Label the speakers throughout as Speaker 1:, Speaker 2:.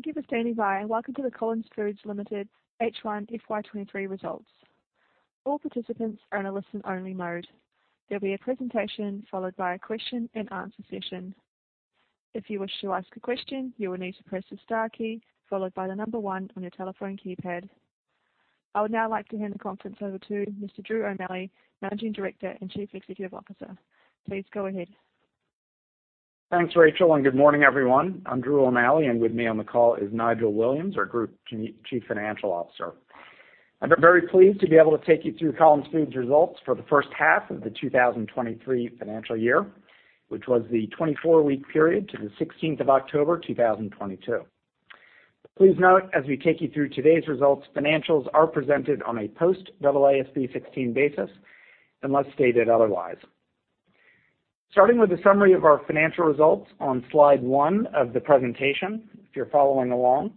Speaker 1: Thank you for standing by, welcome to the Collins Foods Limited H1FY2023 results. All participants are in a listen-only mode. There'll be a presentation followed by a question-and-answer session. If you wish to ask a question, you will need to press the star key followed by the number 1 on your telephone keypad. I would now like to hand the conference over to Mr. Drew O'Malley, Managing Director and Chief Executive Officer. Please go ahead.
Speaker 2: Thanks, Rachel. Good morning, everyone. I'm Drew O'Malley. With me on the call is Nigel Williams, our Group Chief Financial Officer. I'm very pleased to be able to take you through Collins Foods' results for the first half of the 2023 financial year, which was the 24-week period to the 16th of October 2022. Please note as we take you through today's results, financials are presented on a post-double AASB 16 basis, unless stated otherwise. Starting with a summary of our financial results on slide one of the presentation, if you're following along.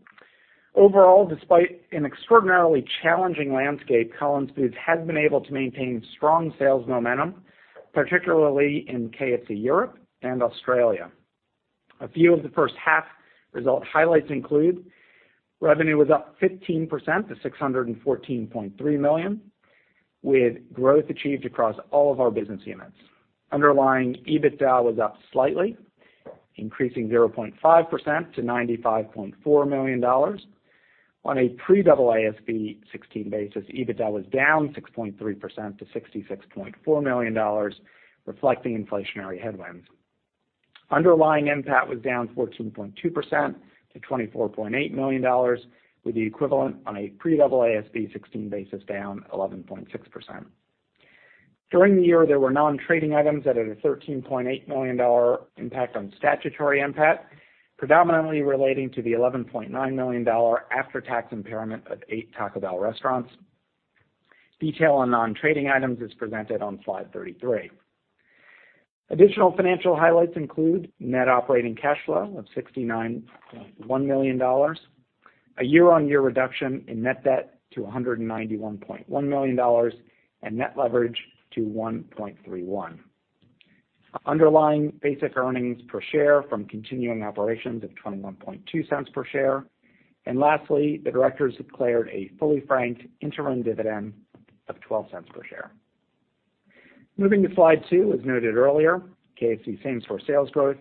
Speaker 2: Overall, despite an extraordinarily challenging landscape, Collins Foods has been able to maintain strong sales momentum, particularly in KFC Europe and Australia. A few of the first half results highlights include revenue was up 15% to 614.3 million, with growth achieved across all of our business units. Underlying EBITDA was up slightly, increasing 0.5% to 95.4 million dollars. On a pre-double AASB 16 basis, EBITDA was down 6.3% to 66.4 million dollars, reflecting inflationary headwinds. Underlying NPAT was down 14.2% to 24.8 million dollars, with the equivalent on a pre-double AASB 16 basis down 11.6%. During the year, there were non-trading items that had a 13.8 million dollar impact on statutory NPAT, predominantly relating to the 11.9 million dollar after-tax impairment of 8 Taco Bell restaurants. Detail on non-trading items is presented on slide 33. Additional financial highlights include net operating cash flow of 69.1 million dollars, a year-on-year reduction in net debt to 191.1 million dollars, and net leverage to 1.31. Underlying basic earnings per share from continuing operations of 0.212 per share. Lastly, the directors declared a fully franked interim dividend of 0.12 per share. Moving to slide two as noted earlier, KFC same-store sales growth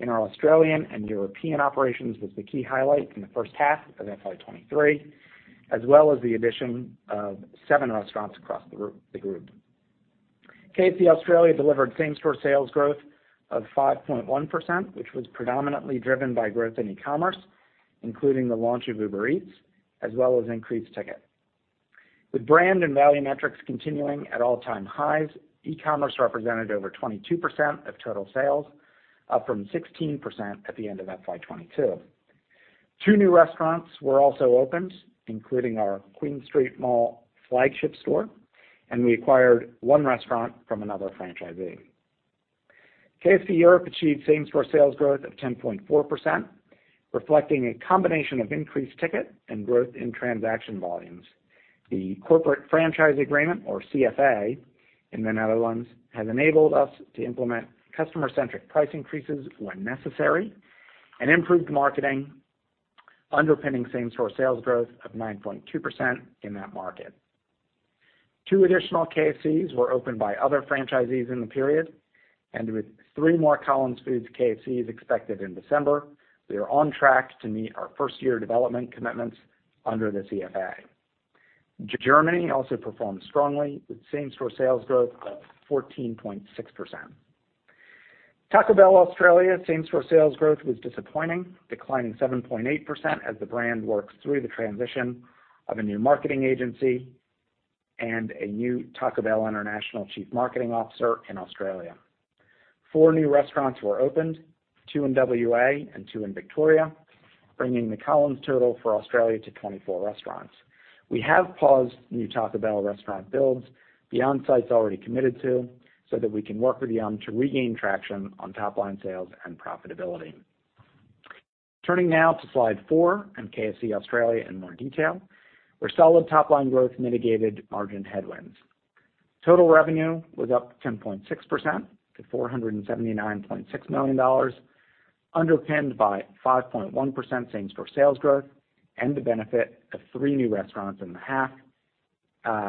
Speaker 2: in our Australian and European operations was the key highlight in the first half of FY2023, as well as the addition of seven restaurants across the group. KFC Australia delivered same-store sales growth of 5.1%, which was predominantly driven by growth in e-commerce, including the launch of Uber Eats, as well as increased ticket. With brand and value metrics continuing at all-time highs, e-commerce represented over 22% of total sales, up from 16% at the end of FY2022. Two new restaurants were also opened, including our Queen Street Mall flagship store, and we acquired 1 restaurant from another franchisee. KFC Europe achieved same-store sales growth of 10.4%, reflecting a combination of increased ticket and growth in transaction volumes. The corporate franchise agreement or CFA in the Netherlands has enabled us to implement customer-centric price increases when necessary and improved marketing, underpinning same-store sales growth of 9.2% in that market. Two additional KFCs were opened by other franchisees in the period, and with three more Collins Foods KFCs expected in December, we are on track to meet our first-year development commitments under the CFA. Germany also performed strongly, with same-store sales growth of 14.6%. Taco Bell Australia same-store sales growth was disappointing, declining 7.8% as the brand works through the transition of a new marketing agency and a new Taco Bell International chief marketing officer in Australia. four new restaurants were opened, two in WA and two in Victoria, bringing the Collins total for Australia to 24 restaurants. We have paused new Taco Bell restaurant builds beyond sites already committed to, so that we can work with Yum! to regain traction on top line sales and profitability. Turning now to slide four and KFC Australia in more detail. Our solid top line growth mitigated margin headwinds. Total revenue was up 10.6% to 479.6 million dollars, underpinned by 5.1% same-store sales growth and the benefit of three new restaurants in the half,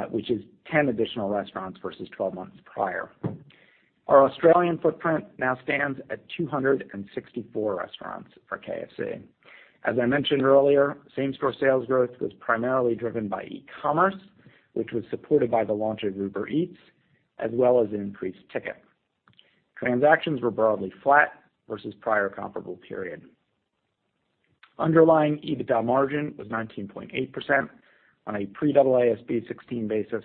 Speaker 2: which is 10 additional restaurants versus 12 months prior. Our Australian footprint now stands at 264 restaurants for KFC. As I mentioned earlier, same-store sales growth was primarily driven by e-commerce, which was supported by the launch of Uber Eats as well as increased ticket. Transactions were broadly flat versus prior comparable period. Underlying EBITDA margin was 19.8% on a pre-double AASB 16 basis.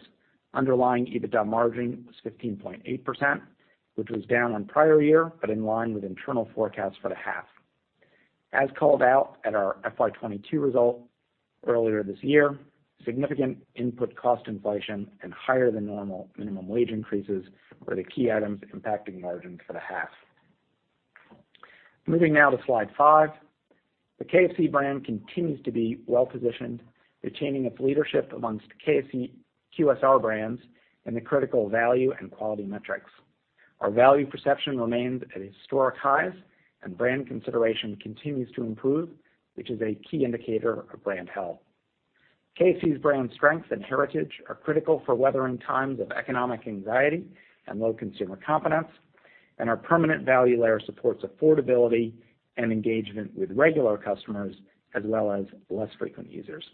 Speaker 2: Underlying EBITDA margin was 15.8%, which was down on prior year, but in line with internal forecasts for the half. As called out at our FY2022 results earlier this year, significant input cost inflation and higher than normal minimum wage increases were the key items impacting margin for the half. Moving now to slide five. The KFC brand continues to be well-positioned, retaining its leadership amongst KFC QSR brands in the critical value and quality metrics. Our value perception remains at historic highs and brand consideration continues to improve, which is a key indicator of brand health. KFC's brand strength and heritage are critical for weathering times of economic anxiety and low consumer confidence, and our permanent value layer supports affordability and engagement with regular customers as well as less frequent users.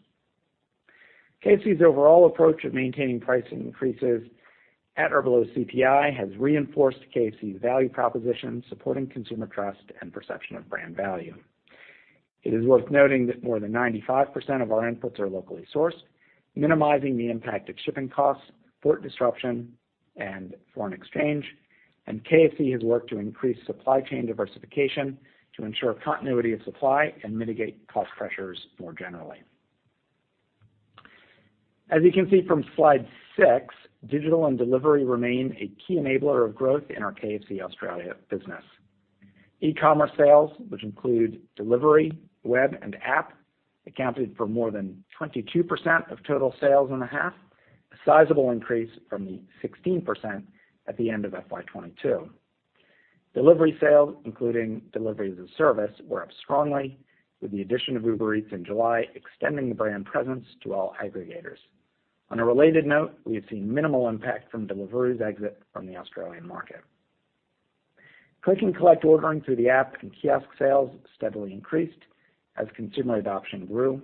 Speaker 2: KFC's overall approach of maintaining pricing increases at or below CPI has reinforced KFC's value proposition, supporting consumer trust and perception of brand value. It is worth noting that more than 95% of our inputs are locally sourced, minimizing the impact of shipping costs, port disruption, and foreign exchange. KFC has worked to increase supply chain diversification to ensure continuity of supply and mitigate cost pressures more generally. As you can see from slide six, digital and delivery remain a key enabler of growth in our KFC Australia business. E-commerce sales, which include delivery, web, and app, accounted for more than 22% of total sales in the half, a sizable increase from the 16% at the end of FY2022. Delivery sales, including delivery as a service, were up strongly, with the addition of Uber Eats in July extending the brand presence to all aggregators. On a related note, we have seen minimal impact from Deliveroo's exit from the Australian market. Click and collect ordering through the app and kiosk sales steadily increased as consumer adoption grew.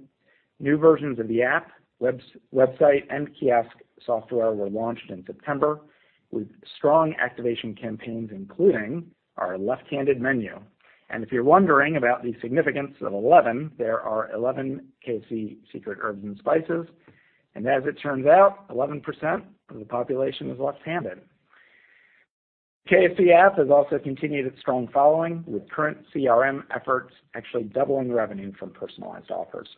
Speaker 2: New versions of the app, website, and kiosk software were launched in September, with strong activation campaigns, including our left-handed menu. If you're wondering about the significance of 11, there are 11 KFC secret herbs and spices, and as it turns out, 11% of the population is left-handed. KFC app has also continued its strong following, with current CRM efforts actually doubling revenue from personalized offers.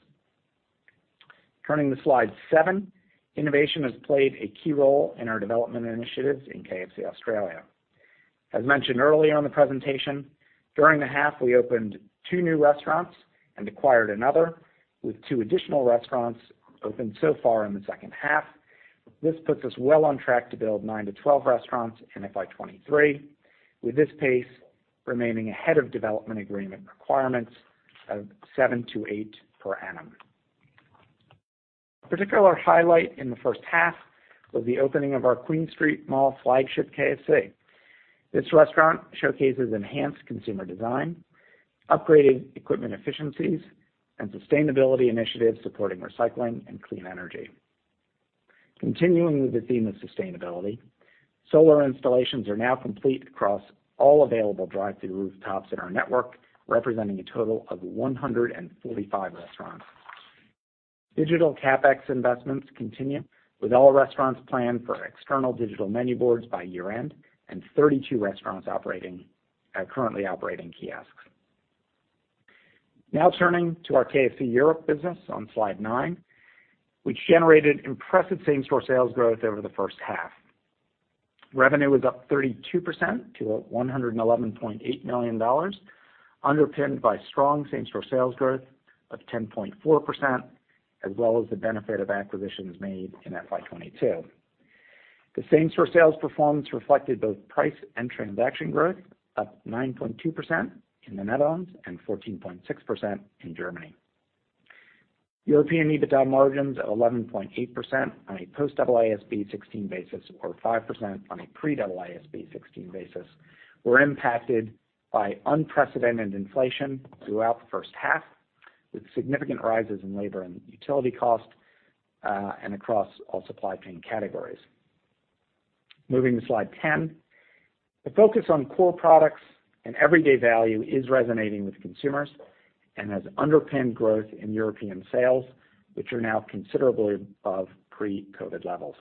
Speaker 2: Turning to slide 7, innovation has played a key role in our development initiatives in KFC Australia. As mentioned earlier in the presentation, during the half we opened 2 new restaurants and acquired another, with 2 additional restaurants opened so far in the second half. This puts us well on track to build nine to 12 restaurants in FY2023, with this pace remaining ahead of development agreement requirements of seven to eight per annum. Particular highlight in the first half was the opening of our Queen Street Mall flagship KFC. This restaurant showcases enhanced consumer design, upgraded equipment efficiencies, and sustainability initiatives supporting recycling and clean energy. Continuing with the theme of sustainability, solar installations are now complete across all available drive-thru rooftops in our network, representing a total of 145 restaurants. Digital CapEx investments continue, with all restaurants planned for external digital menu boards by year-end and 32 restaurants are currently operating kiosks. Turning to our KFC Europe business on slide 9, which generated impressive same-store sales growth over the first half. Revenue was up 32% to 111.8 million dollars, underpinned by strong same-store sales growth of 10.4%, as well as the benefit of acquisitions made in FY2022. The same-store sales performance reflected both price and transaction growth, up 9.2% in the Netherlands and 14.6% in Germany. European EBITDA margins at 11.8% on a post-double AASB 16 basis or 5% on a pre-double AASB 16 basis, were impacted by unprecedented inflation throughout the first half, with significant rises in labor and utility costs, and across all supply chain categories. Moving to slide 10. The focus on core products and everyday value is resonating with consumers and has underpinned growth in European sales, which are now considerably above pre-COVID levels.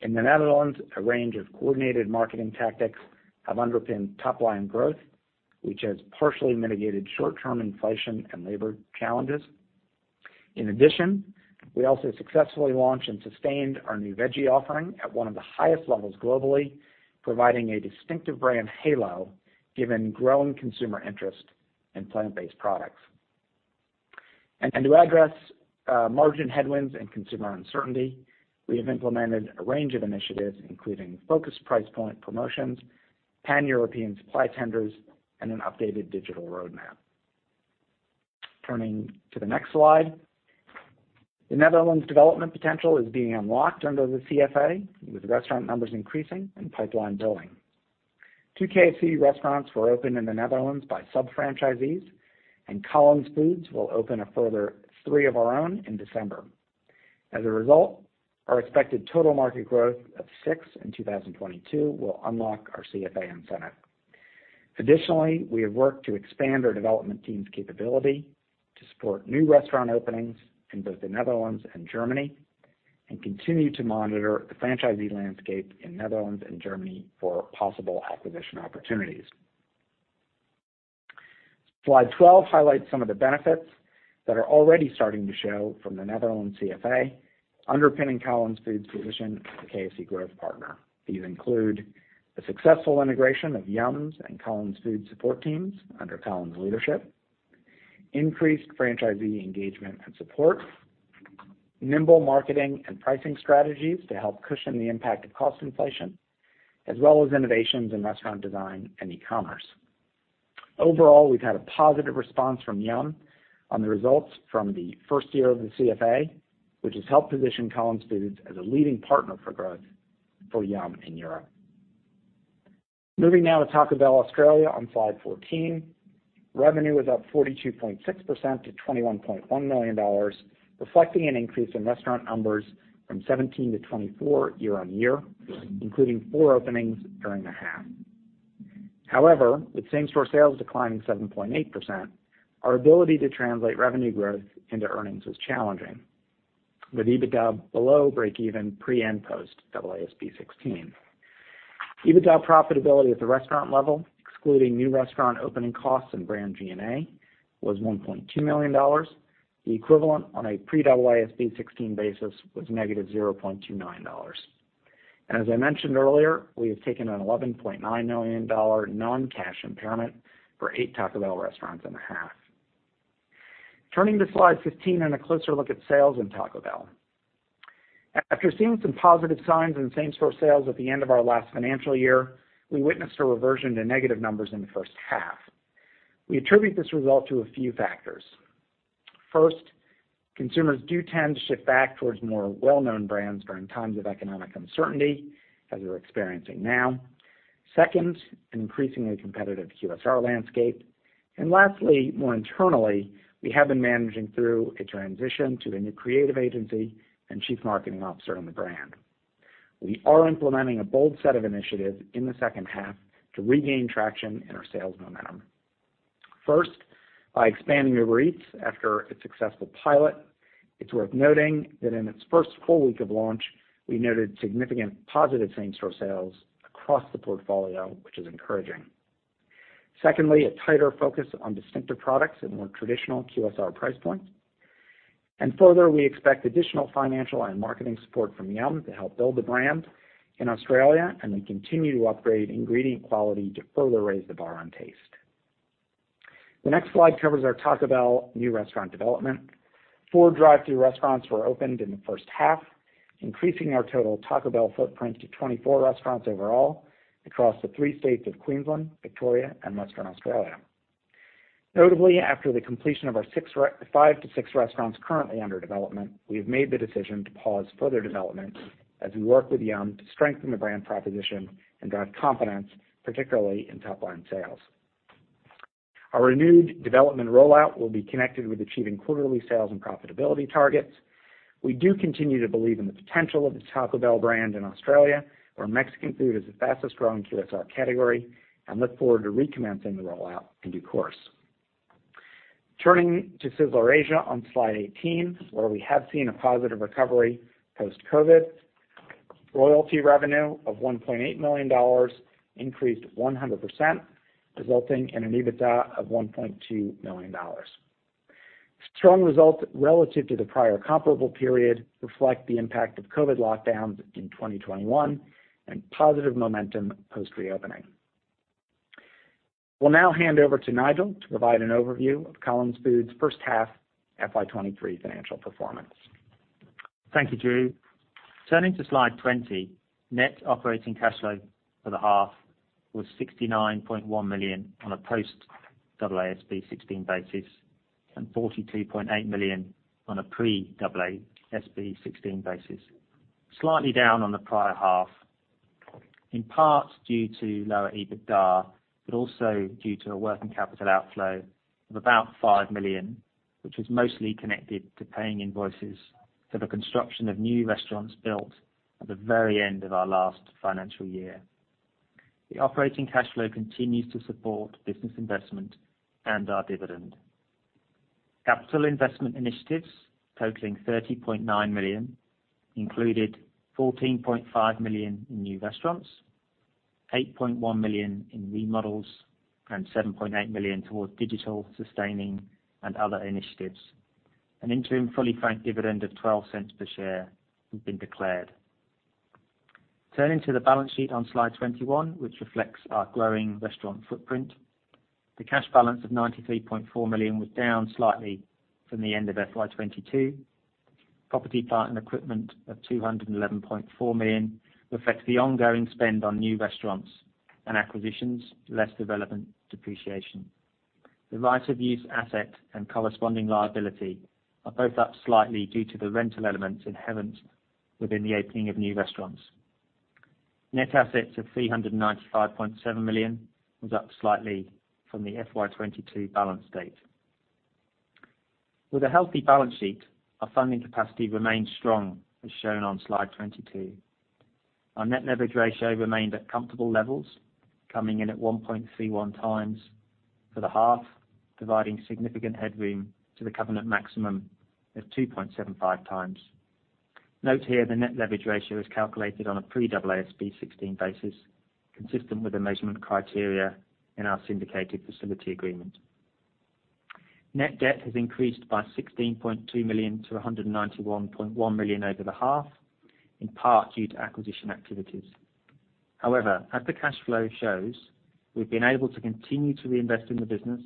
Speaker 2: In the Netherlands, a range of coordinated marketing tactics have underpinned top-line growth, which has partially mitigated short-term inflation and labor challenges. In addition, we also successfully launched and sustained our new veggie offering at one of the highest levels globally, providing a distinctive brand halo given growing consumer interest in plant-based products. To address margin headwinds and consumer uncertainty, we have implemented a range of initiatives, including focused price point promotions, pan-European supply tenders, and an updated digital roadmap. Turning to the next slide. The Netherlands development potential is being unlocked under the CFA, with restaurant numbers increasing and pipeline building. Two KFC restaurants were opened in the Netherlands by sub-franchisees, and Collins Foods will open a further three of our own in December. As a result, our expected total market growth of six in 2022 will unlock our CFA incentive. We have worked to expand our development team's capability to support new restaurant openings in both the Netherlands and Germany, and continue to monitor the franchisee landscape in Netherlands and Germany for possible acquisition opportunities. Slide 12 highlights some of the benefits that are already starting to show from the Netherlands CFA, underpinning Collins Foods position as a KFC growth partner. These include the successful integration of Yum! and Collins Foods support teams under Collins leadership, increased franchisee engagement and support, nimble marketing and pricing strategies to help cushion the impact of cost inflation, as well as innovations in restaurant design and e-commerce. We've had a positive response from Yum! on the results from the first year of the CFA, which has helped position Collins Foods as a leading partner for growth for Yum! in Europe. Moving now to Taco Bell Australia on slide 14. Revenue was up 42.6% to 21.1 million dollars, reflecting an increase in restaurant numbers from 17 to 24 year-on-year, including 4 openings during the half. With same-store sales declining 7.8%, our ability to translate revenue growth into earnings was challenging. With EBITDA below break-even pre and post AASB 16. EBITDA profitability at the restaurant level, excluding new restaurant opening costs and brand G&A, was 1.2 million dollars. The equivalent on a pre-AASB 16 basis was -0.29 dollars. As I mentioned earlier, we have taken an 11.9 million dollar non-cash impairment for eight Taco Bell restaurants in the half. Turning to slide 15 and a closer look at sales in Taco Bell. After seeing some positive signs in same-store sales at the end of our last financial year, we witnessed a reversion to negative numbers in the first half. We attribute this result to a few factors. First, consumers do tend to shift back towards more well-known brands during times of economic uncertainty, as we're experiencing now. Second, an increasingly competitive QSR landscape. Lastly, more internally, we have been managing through a transition to the new creative agency and chief marketing officer in the brand. We are implementing a bold set of initiatives in the second half to regain traction in our sales momentum. First, by expanding our reach after a successful pilot. It's worth noting that in its first full week of launch, we noted significant positive same-store sales across the portfolio, which is encouraging. Secondly, a tighter focus on distinctive products at more traditional QSR price points. Further, we expect additional financial and marketing support from Yum! to help build the brand in Australia, and we continue to upgrade ingredient quality to further raise the bar on taste. The next slide covers our Taco Bell new restaurant development. four drive-thru restaurants were opened in the first half, increasing our total Taco Bell footprint to 24 restaurants overall across the three states of Queensland, Victoria, and Western Australia. Notably, after the completion of our five to six restaurants currently under development, we have made the decision to pause further development as we work with Yum! to strengthen the brand proposition and drive confidence, particularly in top line sales. Our renewed development rollout will be connected with achieving quarterly sales and profitability targets. We do continue to believe in the potential of the Taco Bell brand in Australia, where Mexican food is the fastest-growing QSR category. Look forward to recommencing the rollout in due course. Turning to Sizzler Asia on slide 18, where we have seen a positive recovery post-COVID. Royalty revenue of $1.8 million increased 100%, resulting in an EBITDA of $1.2 million. Strong results relative to the prior comparable period reflect the impact of COVID lockdowns in 2021 and positive momentum post-reopening. We'll now hand over to Nigel to provide an overview of Collins Foods' first half FY2023 financial performance.
Speaker 3: Thank you, Drew O'Malley. Turning to slide 20, net operating cash flow for the half was 69.1 million on a post AASB 16 basis, and 42.8 million on a pre-AASB 16 basis, slightly down on the prior half, in part due to lower EBITDA, but also due to a working capital outflow of about 5 million, which was mostly connected to paying invoices for the construction of new restaurants built at the very end of our last financial year. The operating cash flow continues to support business investment and our dividend. Capital investment initiatives totaling 30.9 million included 14.5 million in new restaurants, 8.1 million in remodels, and 7.8 million towards digital, sustaining, and other initiatives. An interim fully franked dividend of 0.12 per share has been declared. Turning to the balance sheet on slide 21, which reflects our growing restaurant footprint. The cash balance of 93.4 million was down slightly from the end of FY2022. Property, plant, and equipment of 211.4 million reflects the ongoing spend on new restaurants and acquisitions, less development depreciation. The right of use asset and corresponding liability are both up slightly due to the rental elements inherent within the opening of new restaurants. Net assets of 395.7 million was up slightly from the FY2022 balance date. With a healthy balance sheet, our funding capacity remains strong, as shown on slide 22. Our net leverage ratio remained at comfortable levels, coming in at 1.31 times for the half, providing significant headroom to the covenant maximum of 2.75 times. Note here, the net leverage ratio is calculated on a pre-double AASB 16 basis, consistent with the measurement criteria in our syndicated facility agreement. Net debt has increased by 16.2 million to 191.1 million over the half, in part due to acquisition activities. However, as the cash flow shows, we've been able to continue to reinvest in the business,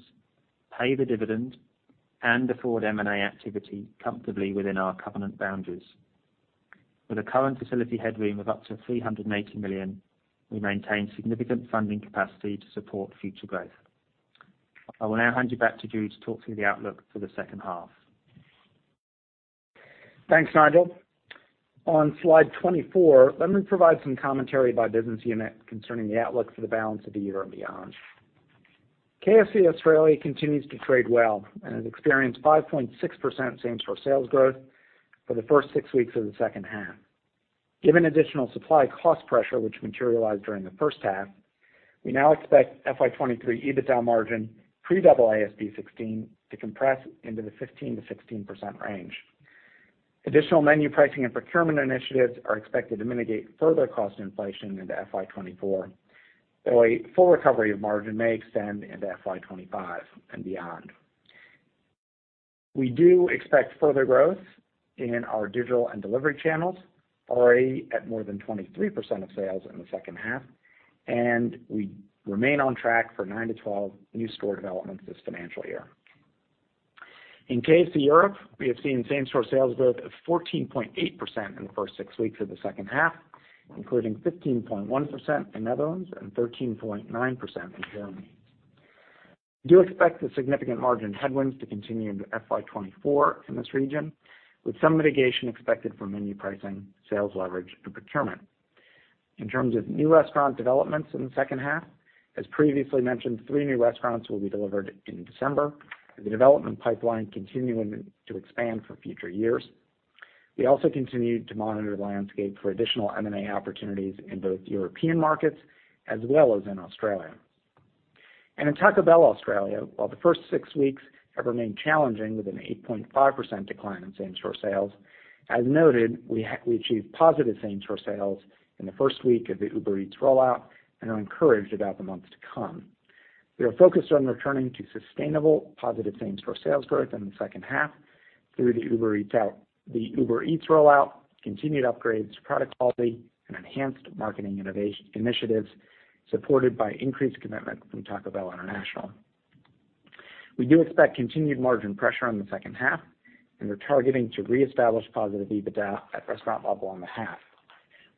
Speaker 3: pay the dividend, and afford M&A activity comfortably within our covenant boundaries. With a current facility headroom of up to 380 million, we maintain significant funding capacity to support future growth. I will now hand you back to Drew to talk through the outlook for the second half.
Speaker 2: Thanks, Nigel. On slide 24, let me provide some commentary by business unit concerning the outlook for the balance of the year and beyond. KFC Australia continues to trade well and has experienced 5.6% same-store sales growth for the first six weeks of the second half. Given additional supply cost pressure which materialized during the first half, we now expect FY2023 EBITDA margin pre-AASB 16 to compress into the 15% to 16% range. Additional menu pricing and procurement initiatives are expected to mitigate further cost inflation into FY2024, though a full recovery of margin may extend into FY2025 and beyond. We do expect further growth in our digital and delivery channels, already at more than 23% of sales in the second half, and we remain on track for nine to 12 new store developments this financial year. In KFC Europe, we have seen same-store sales growth of 14.8% in the first six weeks of the second half, including 15.1% in Netherlands and 13.9% in Germany. We do expect the significant margin headwinds to continue into FY2024 in this region, with some mitigation expected for menu pricing, sales leverage, and procurement. In terms of new restaurant developments in the second half, as previously mentioned, three new restaurants will be delivered in December, with the development pipeline continuing to expand for future years. We also continue to monitor the landscape for additional M&A opportunities in both European markets as well as in Australia. In Taco Bell Australia, while the first six weeks have remained challenging with an 8.5% decline in same-store sales, as noted, we achieved positive same-store sales in the first week of the Uber Eats rollout and are encouraged about the months to come. We are focused on returning to sustainable positive same-store sales growth in the second half through the Uber Eats rollout, continued upgrades to product quality, and enhanced marketing initiatives supported by increased commitment from Taco Bell International. We do expect continued margin pressure on the second half and are targeting to reestablish positive EBITDA at restaurant level on the half.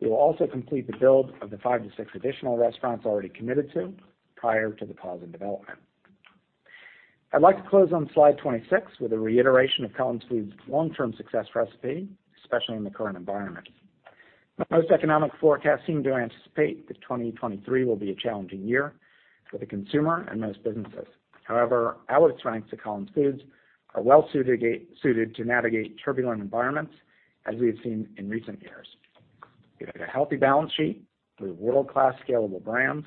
Speaker 2: We will also complete the build of the 5-6 additional restaurants already committed to prior to the pause in development. I'd like to close on slide 26 with a reiteration of Collins Foods' long-term success recipe, especially in the current environment. Most economic forecasts seem to anticipate that 2023 will be a challenging year for the consumer and most businesses. Our strengths at Collins Foods are well suited to navigate turbulent environments, as we have seen in recent years. We have a healthy balance sheet with world-class scalable brands.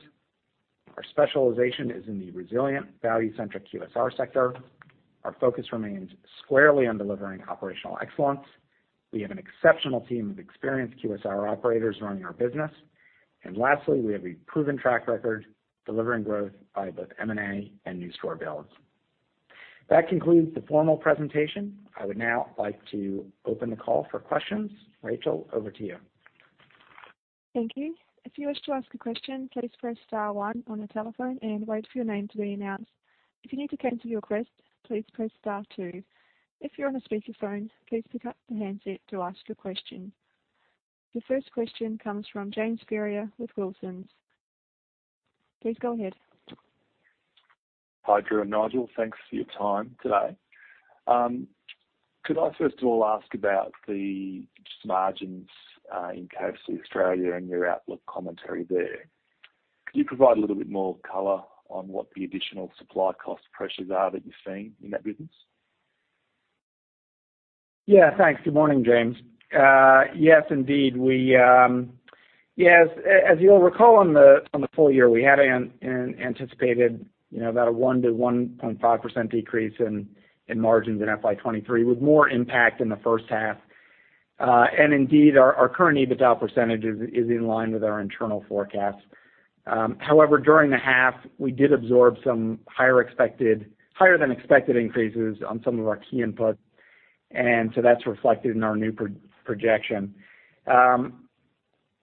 Speaker 2: Our specialization is in the resilient, value-centric QSR sector. Our focus remains squarely on delivering operational excellence. We have an exceptional team of experienced QSR operators running our business. Lastly, we have a proven track record delivering growth by both M&A and new store builds. That concludes the formal presentation. I would now like to open the call for questions. Rachel, over to you.
Speaker 1: Thank you. If you wish to ask a question, please press star one on your telephone and wait for your name to be announced. If you need to cancel your request, please press star two. If you're on a speakerphone, please pick up the handset to ask your question. The first question comes from James Ferrier with Wilsons. Please go ahead.
Speaker 4: Hi, Drew and Nigel. Thanks for your time today. Could I first of all ask about the just margins in KFC Australia and your outlook commentary there? Could you provide a little bit more color on what the additional supply cost pressures are that you're seeing in that business?
Speaker 2: Yeah. Thanks. Good morning, James. Yes, indeed. Yes, as you'll recall on the, on the full year, we had anticipated, you know, about a 1% to 1.5% decrease in margins in FY2023, with more impact in the first half. Indeed, our current EBITDA percentage is in line with our internal forecasts. However, during the half, we did absorb some higher expected, higher than expected increases on some of our key inputs, that's reflected in our new pro-projection.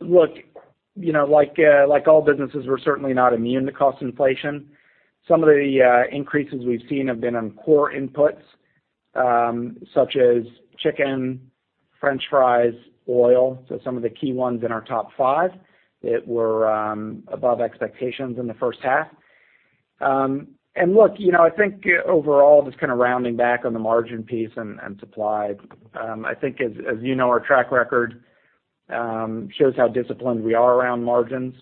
Speaker 2: Look, you know, like all businesses, we're certainly not immune to cost inflation. Some of the increases we've seen have been on core inputs, such as chicken, French fries, oil, so some of the key ones in our top 5 that were above expectations in the first half. Look, you know, I think overall, just kinda rounding back on the margin piece and supply, I think as you know, our track record, shows how disciplined we are around margins.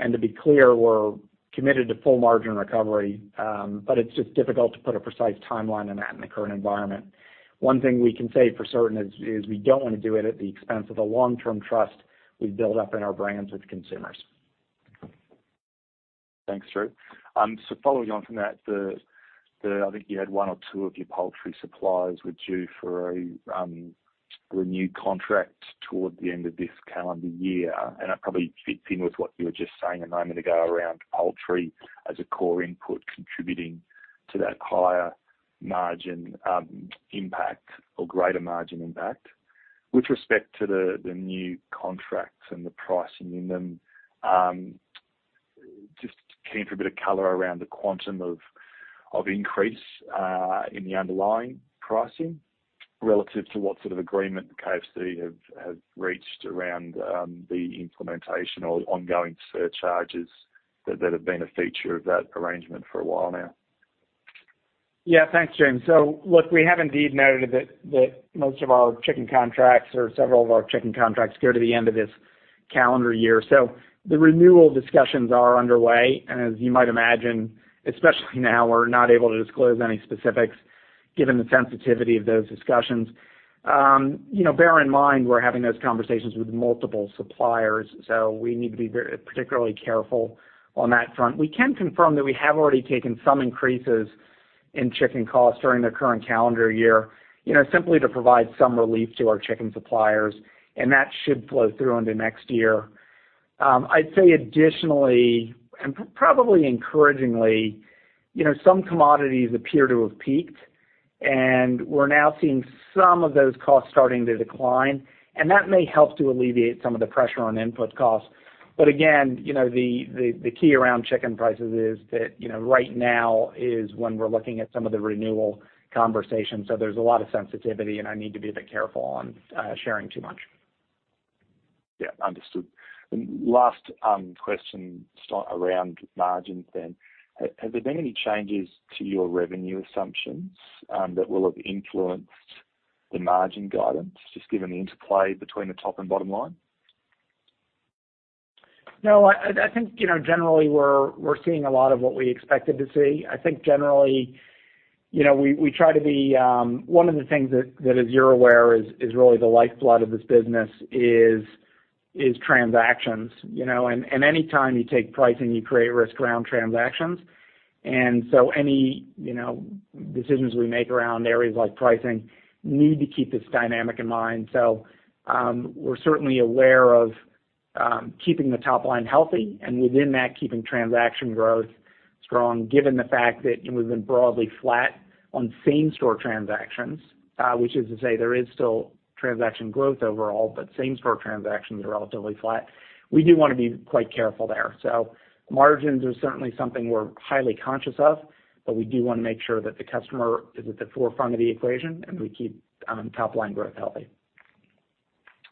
Speaker 2: To be clear, we're committed to full margin recovery, but it's just difficult to put a precise timeline on that in the current environment. One thing we can say for certain is we don't wanna do it at the expense of the long-term trust we've built up in our brands with consumers.
Speaker 4: Thanks, Drew. Following on from that, I think you had one or two of your poultry suppliers were due for a renewed contract toward the end of this calendar year, and that probably fits in with what you were just saying a moment ago around poultry as a core input contributing to that higher margin impact or greater margin impact. With respect to the new contracts and the pricing in them, just keen for a bit of color around the quantum of increase in the underlying pricing relative to what sort of agreement KFC have reached around the implementation or ongoing surcharges that have been a feature of that arrangement for a while now.
Speaker 2: Yeah. Thanks, James. Look, we have indeed noted that most of our chicken contracts or several of our chicken contracts go to the end of this calendar year. The renewal discussions are underway. As you might imagine, especially now, we're not able to disclose any specifics given the sensitivity of those discussions. you know, bear in mind we're having those conversations with multiple suppliers, so we need to be particularly careful on that front. We can confirm that we have already taken some increases in chicken costs during the current calendar year, you know, simply to provide some relief to our chicken suppliers, and that should flow through into next year. I'd say additionally, probably encouragingly, you know, some commodities appear to have peaked, and we're now seeing some of those costs starting to decline, and that may help to alleviate some of the pressure on input costs. Again, you know, the, the key around chicken prices is that, you know, right now is when we're looking at some of the renewal conversations. There's a lot of sensitivity, and I need to be a bit careful on sharing too much.
Speaker 4: Yeah. Understood. Last, question sort around margins then. Has there been any changes to your revenue assumptions that will have influenced the margin guidance, just given the interplay between the top and bottom line?
Speaker 2: No, I think, you know, generally we're seeing a lot of what we expected to see. I think generally, you know, we try to be. One of the things that as you're aware is really the lifeblood of this business is transactions, you know. Any time you take pricing, you create risk around transactions. Any, you know, decisions we make around areas like pricing need to keep this dynamic in mind. We're certainly aware of keeping the top line healthy and within that, keeping transaction growth strong, given the fact that, you know, we've been broadly flat on same-store transactions, which is to say there is still transaction growth overall, but same-store transactions are relatively flat. We do wanna be quite careful there. Margins are certainly something we're highly conscious of, but we do wanna make sure that the customer is at the forefront of the equation, and we keep top-line growth healthy.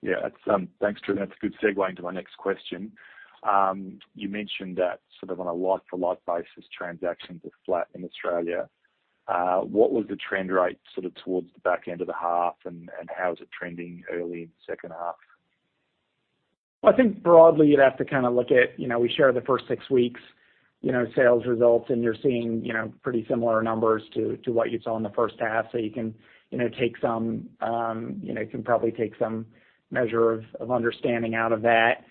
Speaker 4: Yeah. That's, Thanks, Drew. That's a good segue into my next question. You mentioned that sort of on a like-to-like basis, transactions are flat in Australia. What was the trend rate sort of towards the back end of the half, and how is it trending early in the second half?
Speaker 2: I think broadly you'd have to kind of look at, you know, we share the first six weeks, you know, sales results, and you're seeing, you know, pretty similar numbers to what you saw in the first half. You can, you know, take some, you know, can probably take some measure of understanding out of that.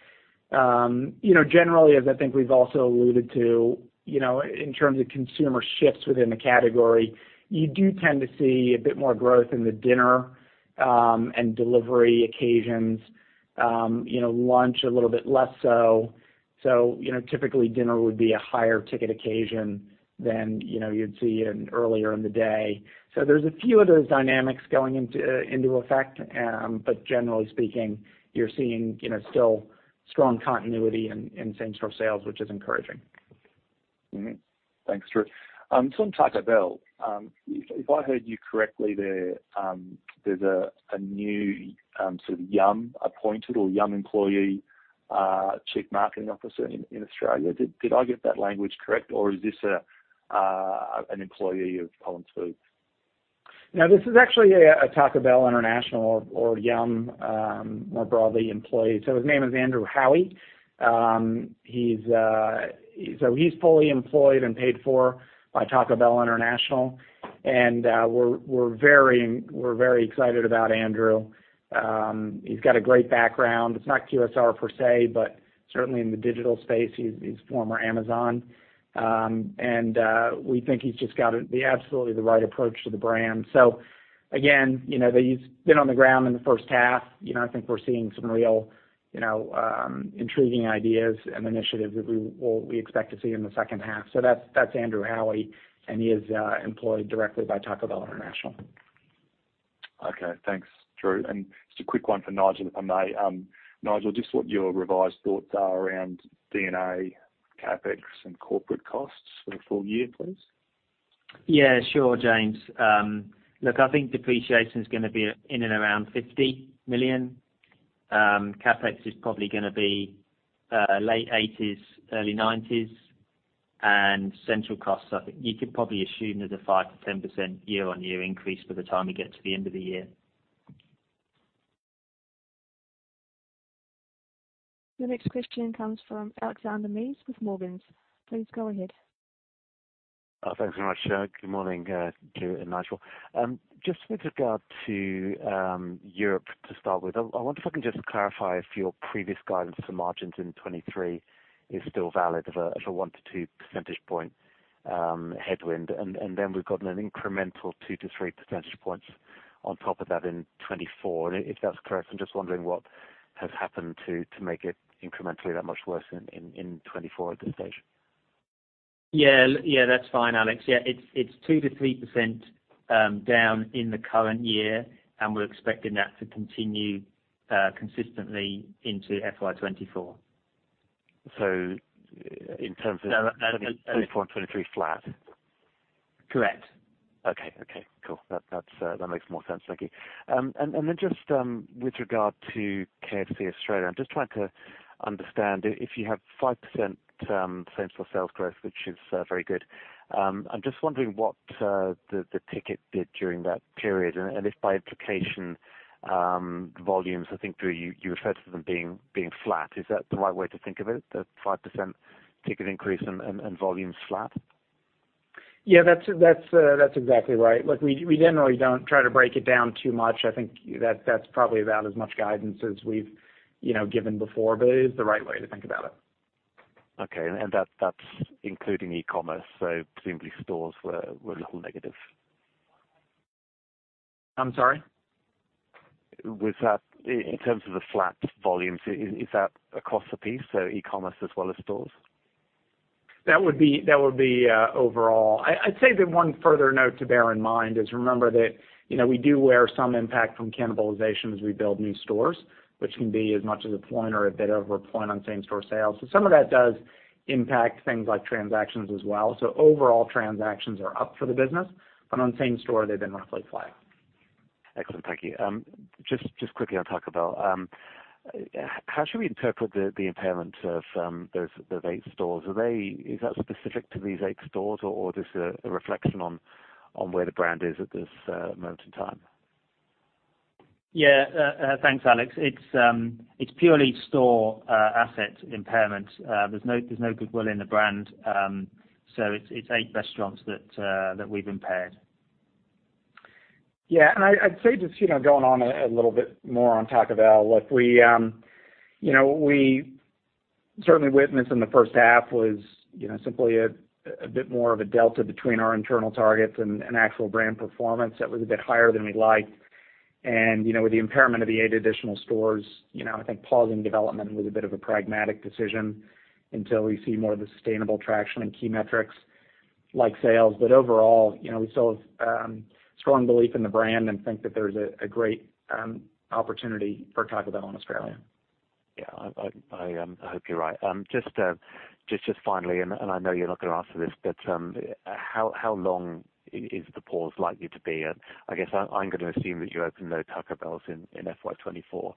Speaker 2: You know, generally, as I think we've also alluded to, you know, in terms of consumer shifts within the category, you do tend to see a bit more growth in the dinner, and delivery occasions. You know, lunch a little bit less so. You know, typically dinner would be a higher ticket occasion than, you know, you'd see in earlier in the day. There's a few of those dynamics going into effect. Generally speaking, you're seeing, you know, still strong continuity in same-store sales, which is encouraging.
Speaker 4: Mm-hmm. Thanks, Drew. On Taco Bell, if I heard you correctly there's a new sort of Yum!-appointed or Yum! employee, chief marketing officer in Australia. Did I get that language correct, or is this an employee of Collins Foods?
Speaker 2: No, this is actually a Taco Bell International or Yum, more broadly employee. His name is Andrew Howie. He's so he's fully employed and paid for by Taco Bell International. We're very excited about Andrew. He's got a great background. It's not QSR per se, but certainly in the digital space. He's former Amazon. We think he's just got the absolutely the right approach to the brand. Again, you know, he's been on the ground in the first half. You know, I think we're seeing some real, you know, intriguing ideas and initiatives that we expect to see in the second half. That's Andrew Howie, and he is employed directly by Taco Bell International.
Speaker 4: Okay. Thanks, Drew. Just a quick one for Nigel, if I may. Nigel, just what your revised thoughts are around D&A CapEx and corporate costs for the full year, please.
Speaker 3: Yeah. Sure, James. look, I think depreciation's gonna be in and around 50 million. CapEx is probably gonna be late AUD 80s, early AUD 90s. Central costs, I think you could probably assume there's a 5% to 10% year-on-year increase by the time we get to the end of the year.
Speaker 1: Your next question comes from Alexander Mees with Morgans. Please go ahead.
Speaker 5: Thanks very much. Good morning to Nigel. Just with regard to Europe to start with. I wonder if I can just clarify if your previous guidance to margins in 2023 is still valid of a 1 to 2 percentage point headwind. Then we've got an incremental 2 to 3 percentage points on top of that in 2024. If that's correct, I'm just wondering what has happened to make it incrementally that much worse in 2024 at this stage.
Speaker 3: Yeah. Yeah, that's fine, Alex. Yeah, it's 2% to 3% down in the current year, and we're expecting that to continue consistently into FY2024.
Speaker 5: So in terms of-
Speaker 3: No, no.
Speaker 5: 24 and 23 flat.
Speaker 3: Correct.
Speaker 5: Okay. Cool. That's that makes more sense. Thank you. Then just with regard to KFC Australia, I'm just trying to understand if you have 5% same store sales growth, which is very good, I'm just wondering what the ticket did during that period and if by implication, volumes I think Drew you referred to them being flat. Is that the right way to think of it? That 5% ticket increase and volumes flat.
Speaker 2: Yeah, that's exactly right. We generally don't try to break it down too much. I think that's probably about as much guidance as we've, you know, given before, it is the right way to think about it.
Speaker 5: Okay. That's including e-commerce, so presumably stores were a little negative.
Speaker 2: I'm sorry.
Speaker 5: With that, in terms of the flat volumes, is that across the piece, so e-commerce as well as stores?
Speaker 2: That would be overall. I'd say that one further note to bear in mind is remember that, you know, we do wear some impact from cannibalization as we build new stores, which can be as much as a point or a bit over a point on same-store sales. Some of that does impact things like transactions as well. Overall transactions are up for the business, but on same-store they've been roughly flat.
Speaker 5: Excellent. Thank you. just quickly on Taco Bell. how should we interpret the impairment of those 8 stores? Is that specific to these 8 stores or just a reflection on where the brand is at this moment in time?
Speaker 3: Yeah. Thanks, Alex. It's purely store asset impairment. There's no goodwill in the brand. It's 8 restaurants that we've impaired.
Speaker 2: Yeah. I'd say just, you know, going on a little bit more on Taco Bell. Look, we, you know, we certainly witnessed in the first half was, you know, simply a bit more of a delta between our internal targets and actual brand performance that was a bit higher than we'd liked. With the impairment of the eight additional stores, you know, I think pausing development was a bit of a pragmatic decision until we see more of the sustainable traction and key metrics like sales. Overall, you know, we still have strong belief in the brand and think that there's a great opportunity for Taco Bell in Australia.
Speaker 5: Yeah. I hope you're right. Just finally, and I know you're not gonna answer this, how long is the pause likely to be? I guess I'm gonna assume that you open no Taco Bells in FY2024.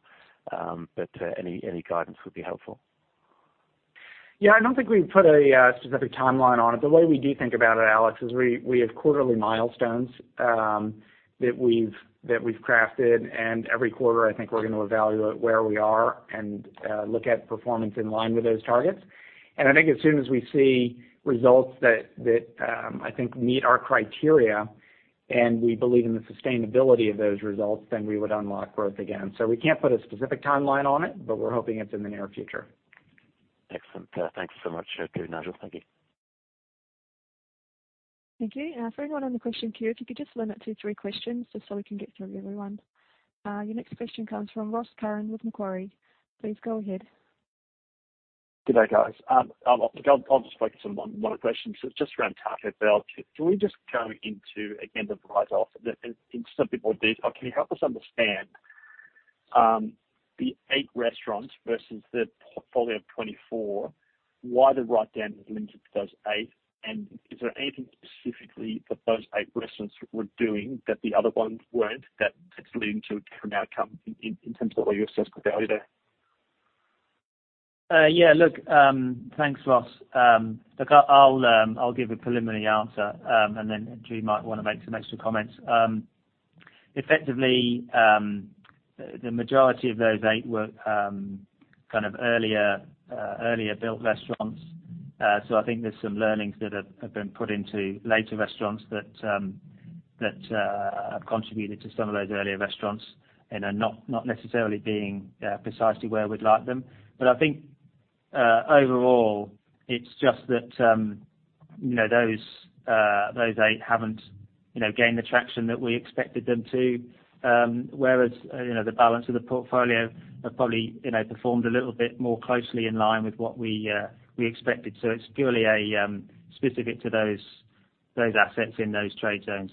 Speaker 5: Any guidance would be helpful.
Speaker 2: Yeah, I don't think we've put a specific timeline on it. The way we do think about it, Alex, is we have quarterly milestones that we've crafted. Every quarter, I think we're gonna evaluate where we are and look at performance in line with those targets. I think as soon as we see results that I think meet our criteria and we believe in the sustainability of those results, then we would unlock growth again. We can't put a specific timeline on it, but we're hoping it's in the near future.
Speaker 5: Excellent. Thanks so much, Drew and Nigel. Thank you.
Speaker 1: Thank you. For anyone on the question queue, if you could just limit to three questions just so we can get through everyone. Your next question comes from Ross Curran with Macquarie. Please go ahead.
Speaker 6: Good day, guys. I'll just focus on one question. Just around Taco Bell, can we just go into, again, the write-off in some bit more detail? Can you help us understand the eight restaurants versus the portfolio of 24, why the write-down is limited to those eight? Is there anything specifically that those eight restaurants were doing that the other ones weren't, that it's leading to a different outcome in terms of what you assess the value there?
Speaker 3: Yeah. Look, thanks, Ross. Look, I'll give a preliminary answer, and then Drew might wanna make some extra comments. Effectively, the majority of those eight were kind of earlier built restaurants. I think there's some learnings that have been put into later restaurants that have contributed to some of those earlier restaurants and are not necessarily being precisely where we'd like them. I think overall it's just that, you know, those eight haven't, you know, gained the traction that we expected them to, whereas, you know, the balance of the portfolio have probably, you know, performed a little bit more closely in line with what we expected. It's purely a specific to those assets in those trade zones.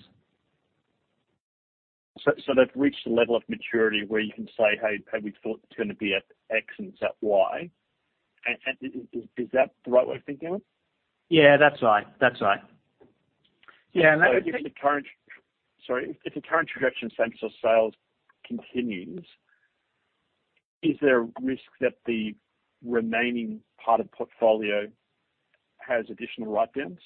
Speaker 6: They've reached a level of maturity where you can say, "Hey, we thought it's gonna be at X, and it's at Y." Is that the right way of thinking of it?
Speaker 3: Yeah, that's right. That's right.
Speaker 2: Yeah. I would think-
Speaker 6: Sorry, if the current reduction same store sales continues. NIs there a risk that the remaining part of portfolio has additional write-downs?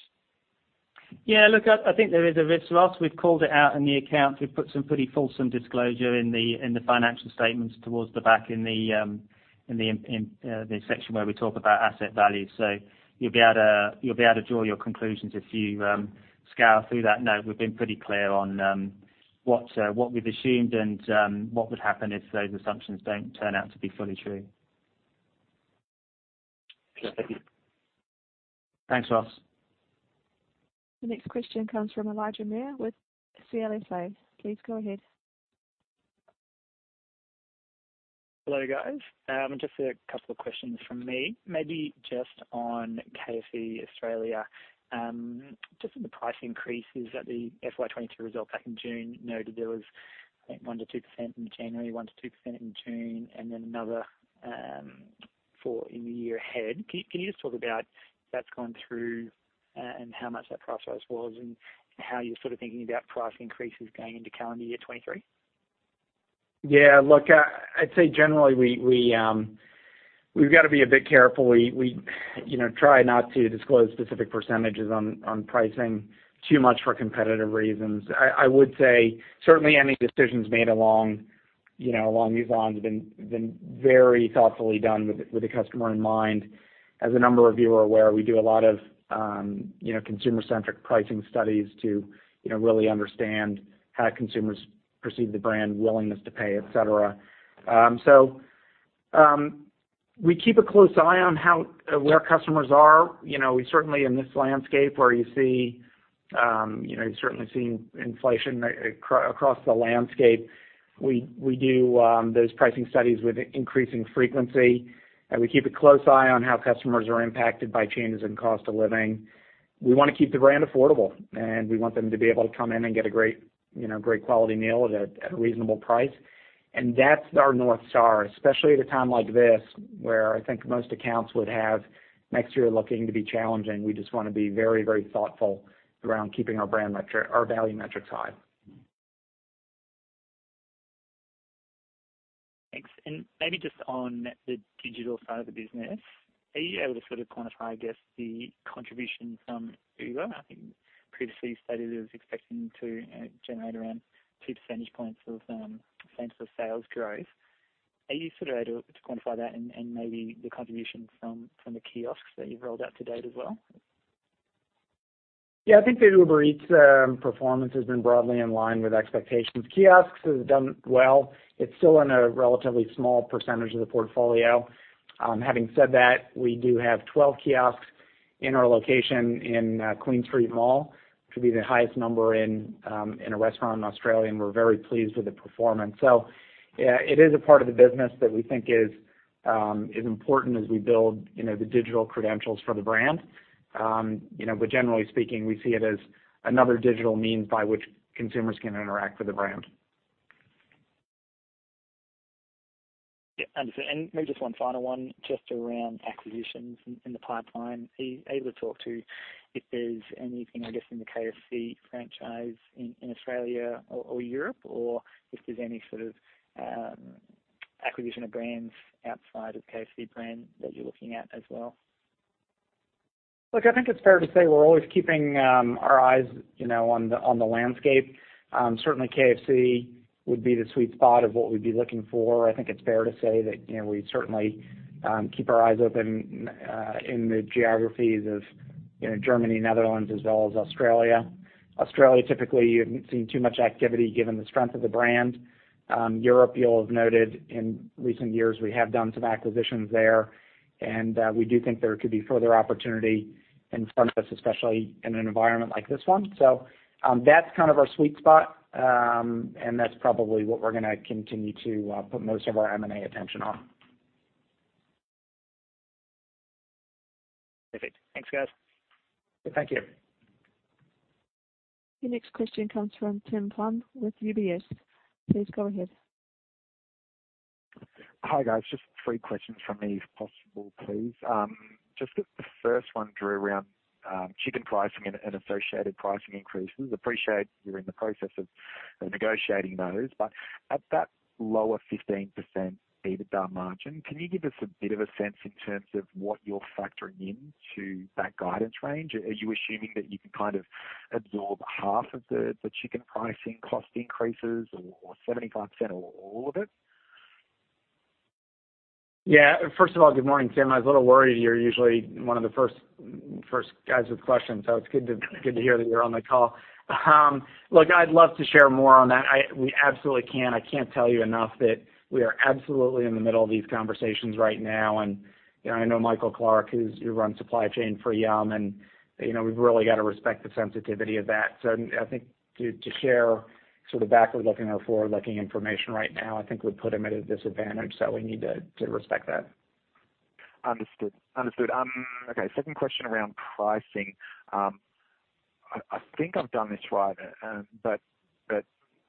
Speaker 2: Yeah. Look, I think there is a risk, Ross. We've called it out in the account. We've put some pretty fulsome disclosure in the financial statements towards the back in the section where we talk about asset value. You'll be able to draw your conclusions if you scour through that note. We've been pretty clear on what we've assumed and what would happen if those assumptions don't turn out to be fully true.
Speaker 6: Yeah. Thank you.
Speaker 2: Thanks, Ross.
Speaker 1: The next question comes from Elijah Mayr with CLSA. Please go ahead.
Speaker 7: Hello, guys. Just a couple of questions from me. Maybe just on KFC Australia, just on the price increases that the FY2022 results back in June noted there was, I think 1% to 2% in January, 1% to 2% in June, and then another four in the year ahead. Can you just talk about if that's gone through, and how much that price rise was and how you're sort of thinking about price increases going into calendar year 2023?
Speaker 2: Yeah. Look, I'd say generally we've gotta be a bit careful. We, you know, try not to disclose specific % on pricing too much for competitive reasons. I would say certainly any decisions made along these lines have been very thoughtfully done with the customer in mind. As a number of you are aware, we do a lot of, you know, consumer-centric pricing studies to, you know, really understand how consumers perceive the brand, willingness to pay, et cetera. We keep a close eye on how where customers are. You know, we certainly in this landscape where you see, you know, you're certainly seeing inflation across the landscape. We do those pricing studies with increasing frequency, and we keep a close eye on how customers are impacted by changes in cost of living. We wanna keep the brand affordable, and we want them to be able to come in and get a great, you know, great quality meal at a reasonable price. That's our North Star, especially at a time like this where I think most accounts would have next year looking to be challenging. We just wanna be very thoughtful around keeping our brand metric, our value metrics high.
Speaker 7: Thanks. Maybe just on the digital side of the business, are you able to sort of quantify, I guess, the contribution from Uber? I think previously you stated it was expecting to generate around 2 percentage points of percent for sales growth. Are you sort of able to quantify that and maybe the contribution from the kiosks that you've rolled out to date as well?
Speaker 2: Yeah. I think the Uber Eats performance has been broadly in line with expectations. Kiosks has done well. It's still in a relatively small percentage of the portfolio. Having said that, we do have 12 kiosks in our location in Queen Street Mall to be the highest number in a restaurant in Australia, and we're very pleased with the performance. Yeah, it is a part of the business that we think is important as we build, you know, the digital credentials for the brand. You know, generally speaking, we see it as another digital means by which consumers can interact with the brand.
Speaker 7: Yeah. Understood. Maybe just one final one just around acquisitions in the pipeline. Are you able to talk to if there's anything, I guess, in the KFC franchise in Australia or Europe, or if there's any sort of acquisition of brands outside of KFC brand that you're looking at as well?
Speaker 2: Look, I think it's fair to say we're always keeping our eyes, you know, on the landscape. Certainly KFC would be the sweet spot of what we'd be looking for. I think it's fair to say that, you know, we'd certainly keep our eyes open in the geographies of, you know, Germany, Netherlands, as well as Australia. Australia, typically you haven't seen too much activity given the strength of the brand. Europe, you'll have noted in recent years we have done some acquisitions there, and we do think there could be further opportunity in front of us, especially in an environment like this one. That's kind of our sweet spot, and that's probably what we're gonna continue to put most of our M&A attention on.
Speaker 7: Perfect. Thanks, guys.
Speaker 2: Thank you.
Speaker 1: Your next question comes from Tim Plumbe with UBS. Please go ahead.
Speaker 8: Hi, guys. Just three questions from me if possible, please. Just the first one, Drew, around chicken pricing and associated pricing increases. Appreciate you're in the process of negotiating those. At that lower 15% EBITDA margin, can you give us a bit of a sense in terms of what you're factoring into that guidance range? Are you assuming that you can kind of absorb half of the chicken pricing cost increases or 75% or all of it?
Speaker 2: First of all, good morning, Tim. I was a little worried. You're usually one of the first guys with questions, so it's good to hear that you're on the call. Look, I'd love to share more on that. We absolutely can't. I can't tell you enough that we are absolutely in the middle of these conversations right now. You know, I know Michael Clark, who runs supply chain for Yum!, and, you know, we've really gotta respect the sensitivity of that. I think to share sort of backward-looking or forward-looking information right now, I think would put him at a disadvantage. We need to respect that.
Speaker 8: Understood. Understood. Okay, second question around pricing. I think I've done this right, but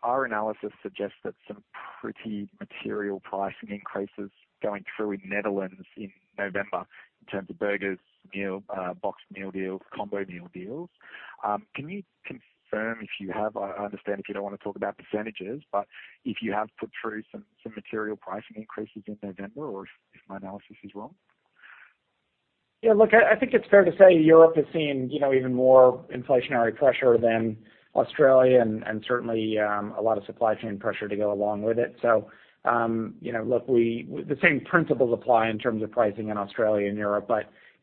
Speaker 8: our analysis suggests that some pretty material pricing increases going through in Netherlands in November in terms of burgers, meal, boxed meal deals, combo meal deals. Can you confirm? I understand if you don't wanna talk about percentages, but if you have put through some material pricing increases in November or if my analysis is wrong?
Speaker 2: Yeah, look, I think it's fair to say Europe is seeing, you know, even more inflationary pressure than Australia and certainly a lot of supply chain pressure to go along with it. You know, look, the same principles apply in terms of pricing in Australia and Europe.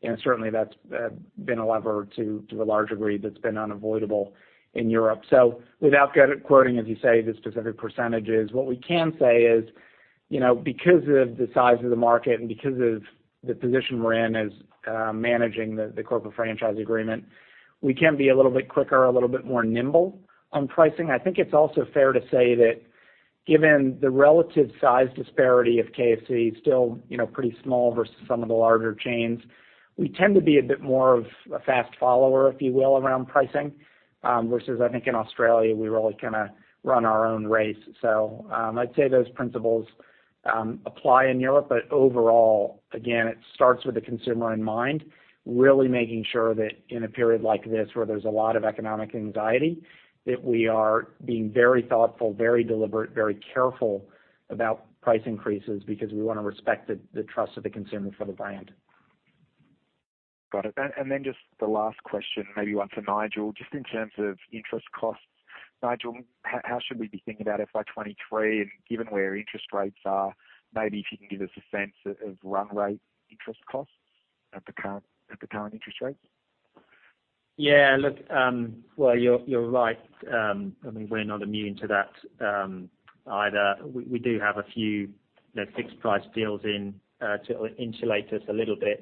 Speaker 2: You know, certainly that's been a lever to a large degree that's been unavoidable in Europe. Without quoting, as you say, the specific percentages, what we can say is, you know, because of the size of the market and because of the position we're in as managing the corporate franchise agreement, we can be a little bit quicker, a little bit more nimble on pricing. I think it's also fair to say that given the relative size disparity of KFC, still, you know, pretty small versus some of the larger chains. We tend to be a bit more of a fast follower, if you will, around pricing, versus I think in Australia we really kinda run our own race. I'd say those principles apply in Europe. Overall, again, it starts with the consumer in mind, really making sure that in a period like this where there's a lot of economic anxiety, that we are being very thoughtful, very deliberate, very careful about price increases because we wanna respect the trust of the consumer for the brand.
Speaker 8: Got it. Then just the last question, maybe one for Nigel. Just in terms of interest costs. Nigel, how should we be thinking about FY2023, and given where interest rates are, maybe if you can give us a sense of run rate interest costs at the current interest rates?
Speaker 3: Yeah. Look, well, you're right. I mean, we're not immune to that, either. We, we do have a few, you know, fixed price deals in to insulate us a little bit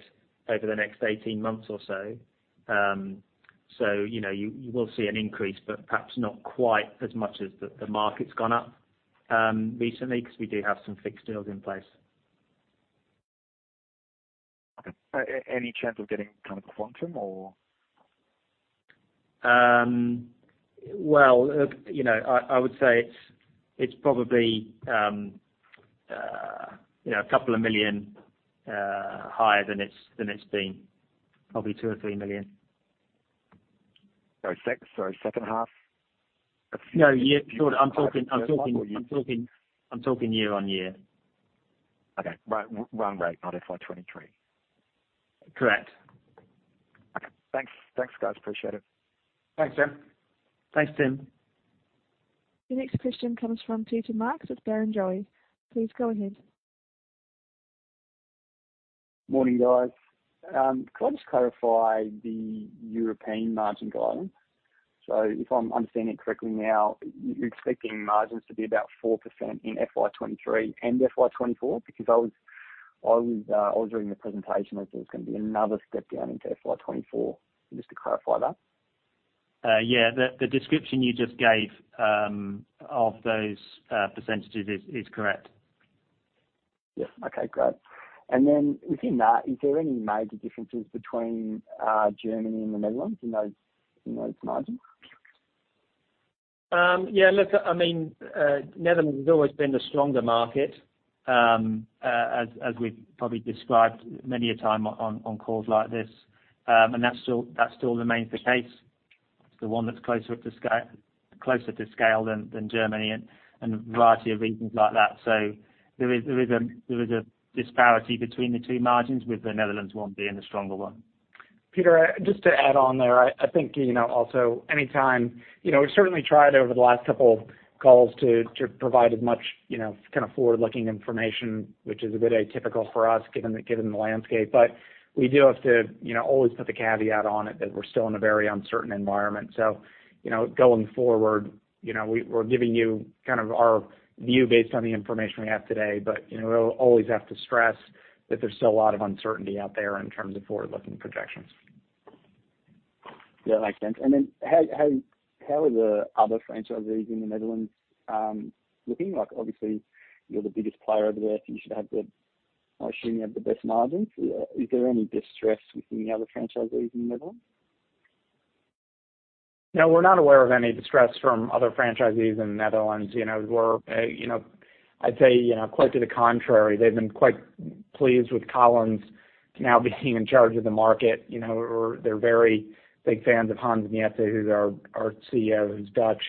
Speaker 3: over the next 18 months or so. You know, you will see an increase, but perhaps not quite as much as the market's gone up, recently, because we do have some fixed deals in place.
Speaker 8: Any chance of getting kind of a quantum or?
Speaker 3: Well, you know, I would say it's probably, you know, a couple of million higher than it's been. Probably 2 or 3 million.
Speaker 8: Sorry, sec. Sorry, second half?
Speaker 3: No, yeah. Sure. I'm talking year on year.
Speaker 8: Okay. Right. Run rate, not FY2023.
Speaker 3: Correct.
Speaker 8: Okay. Thanks. Thanks, guys. Appreciate it.
Speaker 2: Thanks, Tim.
Speaker 3: Thanks, Tim.
Speaker 1: The next question comes from TJ Marx with Barrenjoey. Please go ahead.
Speaker 8: Morning, guys. Can I just clarify the European margin guidance? If I'm understanding correctly now, you're expecting margins to be about 4% in FY2023 and FY2024? Because I was reading the presentation, I thought it was gonna be another step down into FY2024. Just to clarify that.
Speaker 3: The description you just gave of those percentages is correct.
Speaker 8: Yeah. Okay, great. Then within that, is there any major differences between Germany and the Netherlands in those margins?
Speaker 3: Netherlands has always been the stronger market, as we've probably described many a time on calls like this. That still remains the case. It's the one that's closer up to scale, closer to scale than Germany and a variety of reasons like that. There is a disparity between the two margins, with the Netherlands one being the stronger one.
Speaker 2: Peter, just to add on there. I think, you know, also anytime, you know, we certainly tried over the last couple of calls to provide as much, you know, kind of forward-looking information, which is a bit atypical for us, given the, given the landscape. We do have to, you know, always put the caveat on it that we're still in a very uncertain environment. Going forward, you know, we're giving you kind of our view based on the information we have today. We'll always have to stress that there's still a lot of uncertainty out there in terms of forward-looking projections.
Speaker 8: Yeah, makes sense. Then how are the other franchisees in the Netherlands looking? Like, obviously you're the biggest player over there, you should have the, assuming you have the best margins. Is there any distress with any other franchisees in the Netherlands?
Speaker 2: No, we're not aware of any distress from other franchisees in the Netherlands. You know, we're, you know, I'd say, you know, quite to the contrary, they've been quite pleased with Collins now being in charge of the market. You know, they're very big fans of Hans Miete, who's our CEO, who's Dutch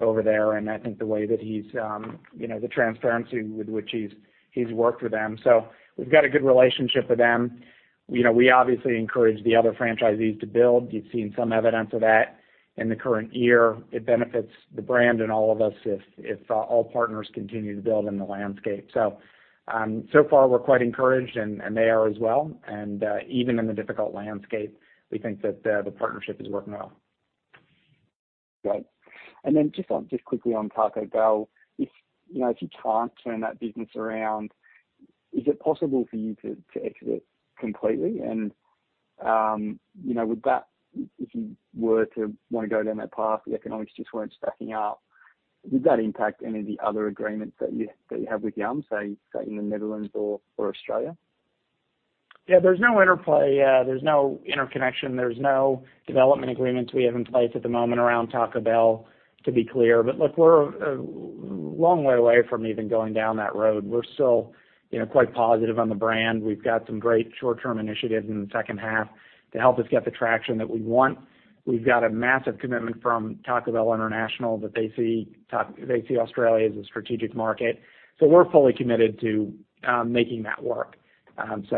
Speaker 2: over there. I think the way that he's, you know, the transparency with which he's worked with them. We've got a good relationship with them. You know, we obviously encourage the other franchisees to build. You've seen some evidence of that in the current year. It benefits the brand and all of us if all partners continue to build in the landscape. So far we're quite encouraged and they are as well. Even in the difficult landscape, we think that the partnership is working well.
Speaker 8: Great. Just quickly on Taco Bell. If, you know, if you can't turn that business around, is it possible for you to exit completely? You know, would that, if you were to wanna go down that path, the economics just weren't stacking up, would that impact any of the other agreements that you have with Yum, say, in the Netherlands or Australia?
Speaker 2: Yeah. There's no interplay. There's no interconnection. There's no development agreements we have in place at the moment around Taco Bell, to be clear. look, we're a long way away from even going down that road. We're still, you know, quite positive on the brand. We've got some great short-term initiatives in the second half to help us get the traction that we want. We've got a massive commitment from Taco Bell International that they see Australia as a strategic market. we're fully committed to making that work. that's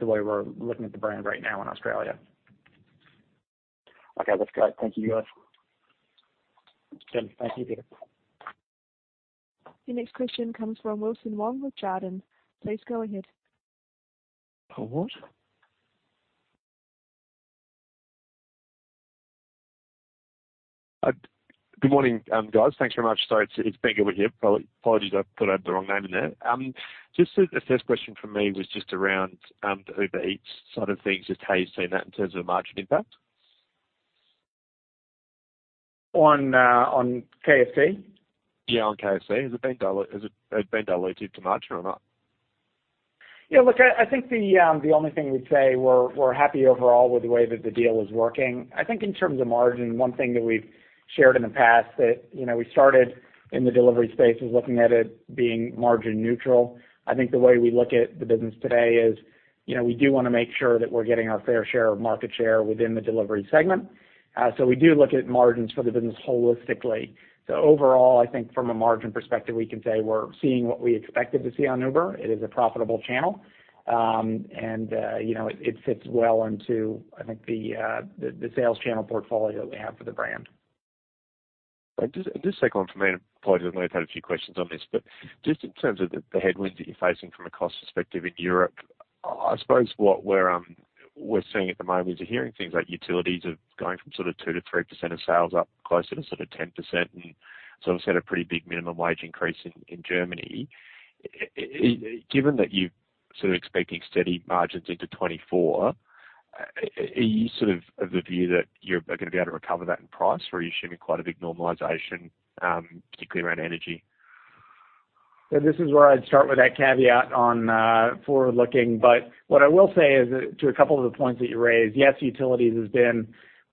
Speaker 2: the way we're looking at the brand right now in Australia.
Speaker 6: Okay. That's great. Thank you guys.
Speaker 2: Sure. Thank you, Peter.
Speaker 1: Your next question comes from Wilson Wong with Jarden. Please go ahead.
Speaker 6: A what?
Speaker 9: Good morning, guys. Thanks very much. Sorry, it's Ben over here. Apologies, I thought I had the wrong name in there. Just a first question from me was just around the Uber Eats side of things, just how you're seeing that in terms of margin impact?
Speaker 2: On, on KFC?
Speaker 9: Yeah, on KFC. Has it been dilutive to margin or not?
Speaker 2: Yeah. Look, I think the only thing we'd say, we're happy overall with the way that the deal is working. I think in terms of margin, one thing that we've shared in the past that, you know, we started in the delivery space was looking at it being margin neutral. I think the way we look at the business today is, you know, we do wanna make sure that we're getting our fair share of market share within the delivery segment. We do look at margins for the business holistically. Overall, I think from a margin perspective, we can say we're seeing what we expected to see on Uber. It is a profitable channel. You know, it fits well into, I think the, the sales channel portfolio that we have for the brand.
Speaker 9: Just a second one from me, apologies. I know you've had a few questions on this. Just in terms of the headwinds that you're facing from a cost perspective in Europe, I suppose what we're seeing at the moment is we're hearing things like utilities are going from sort of 2% to 3% of sales up closer to sort of 10%. Sort of set a pretty big minimum wage increase in Germany. Given that you're sort of expecting steady margins into 2024, are you sort of the view that you're gonna be able to recover that in price, or are you assuming quite a big normalization particularly around energy?
Speaker 2: This is where I'd start with that caveat on forward-looking. What I will say is to a couple of the points that you raised, yes, utilities has been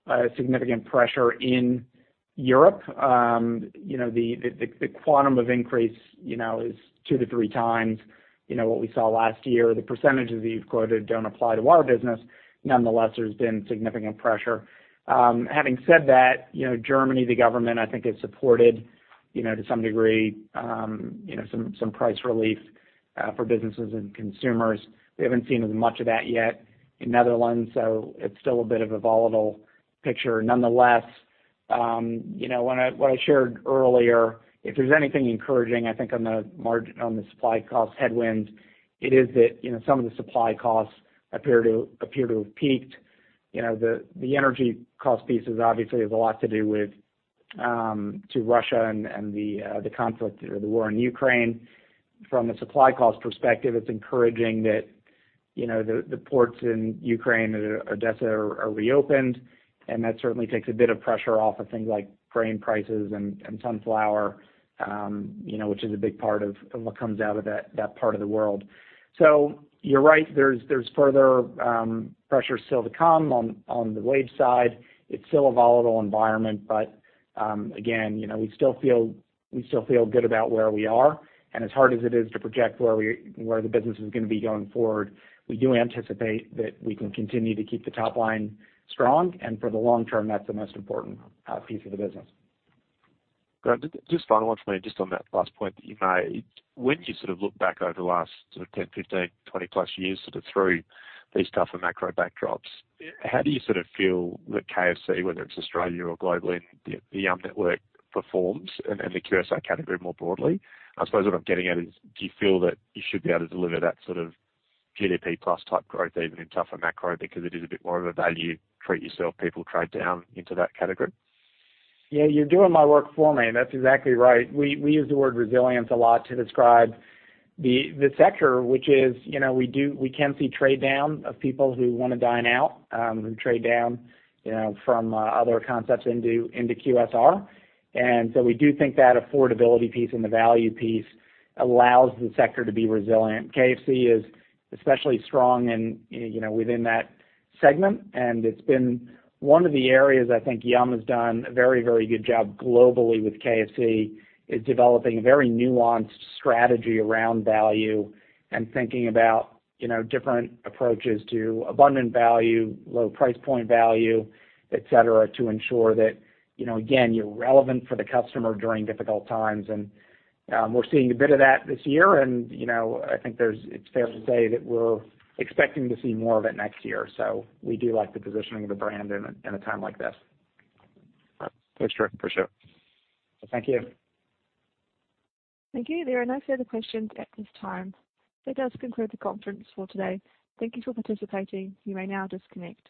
Speaker 2: a significant pressure in Europe. You know, the quantum of increase, you know, is two to three times, you know, what we saw last year. The percentages that you've quoted don't apply to our business. Nonetheless, there's been significant pressure. Having said that, you know, Germany, the government, I think, has supported, you know, to some degree, you know, some price relief for businesses and consumers. We haven't seen as much of that yet in Netherlands, it's still a bit of a volatile picture. Nonetheless, you know, what I shared earlier, if there's anything encouraging, I think on the supply cost headwind, it is that, you know, some of the supply costs appear to have peaked. You know, the energy cost piece is obviously has a lot to do with Russia and the conflict or the war in Ukraine. From a supply cost perspective, it's encouraging that, you know, the ports in Ukraine, in Odessa are reopened, and that certainly takes a bit of pressure off of things like grain prices and sunflower, you know, which is a big part of what comes out of that part of the world. You're right. There's further pressure still to come on the wage side. It's still a volatile environment, again, you know, we still feel good about where we are. As hard as it is to project where the business is gonna be going forward, we do anticipate that we can continue to keep the top line strong. For the long term, that's the most important piece of the business.
Speaker 9: Great. Just final one for me, just on that last point that you made. When you sort of look back over the last sort of 10, 15, 20+ years, sort of through these tougher macro backdrops, how do you sort of feel that KFC, whether it's Australia or globally, the network performs and the QSR category more broadly? I suppose what I'm getting at is do you feel that you should be able to deliver that sort of GDP plus type growth even in tougher macro because it is a bit more of a value treat yourself, people trade down into that category?
Speaker 2: Yeah. You're doing my work for me. That's exactly right. We, we use the word resilience a lot to describe the sector, which is, you know, we can see trade down of people who wanna dine out, who trade down, you know, from other concepts into QSR. We do think that affordability piece and the value piece allows the sector to be resilient. KFC is especially strong in, you know, within that segment, and it's been one of the areas I think Yum! has done a very, very good job globally with KFC, is developing a very nuanced strategy around value and thinking about, you know, different approaches to abundant value, low price point value, et cetera, to ensure that, you know, again, you're relevant for the customer during difficult times. We're seeing a bit of that this year and, you know, I think it's fair to say that we're expecting to see more of it next year. We do like the positioning of the brand in a, in a time like this.
Speaker 9: Great. Thanks, Drew. Appreciate it.
Speaker 2: Thank you.
Speaker 1: Thank you. There are no further questions at this time. That does conclude the conference for today. Thank you for participating. You may now disconnect.